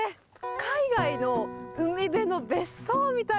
海外の海辺の別荘みたい。